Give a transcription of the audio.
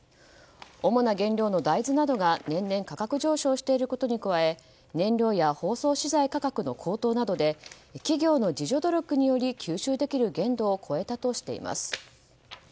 おもな原料の大豆などが年々価格上昇していることに加え燃料や包装資材価格の高騰などで企業の自助努力により吸収できる限度超えたとしています。